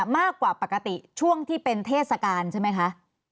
มากกว่าปกติช่วงที่เป็นเทศกาลใช่ไหมคะ